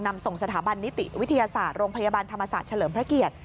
นำส่งสถาบันนิติวิทยาศาสตร์โรงพยาบาลธรรมศาสตร์เฉลิมพระเกียรติ